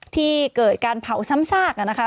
ที่เกิดการเผาซ้ำซากนะคะ